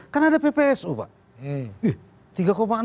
kan ada ppsu pak